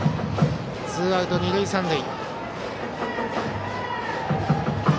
ツーアウト二塁三塁。